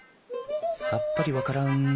さっぱり分からん。